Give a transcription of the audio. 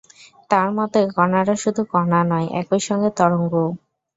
তাঁর মতে, কণারা শুধু কণা নয়, একই সঙ্গে তরঙ্গও।